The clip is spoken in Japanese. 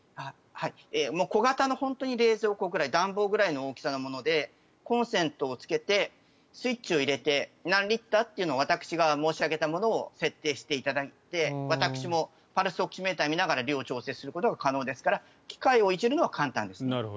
小型の冷蔵庫ぐらい暖房ぐらいの大きさのものでコンセントをつけてスイッチを入れて何リットルというのを私が申し上げたものを設定していただいて私もパルスオキシメーターを見ながら量を調整することが可能ですから機械をいじるのは簡単ですね。